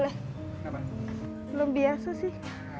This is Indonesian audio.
belum biasa sih